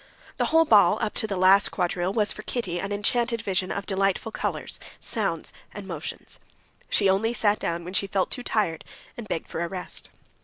The whole ball up to the last quadrille was for Kitty an enchanted vision of delightful colors, sounds, and motions. She only sat down when she felt too tired and begged for a rest.